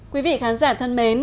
quý vị khán giả thân mến